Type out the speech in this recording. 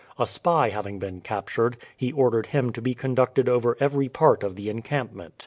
A spy having been captured, he ordered him to be conducted over every part of the encampment.